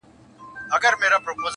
اوسېدله دوه ماران يوه ځنگله كي!.